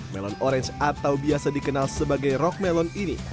melon orange atau biasa dikenal sebagai rock melon ini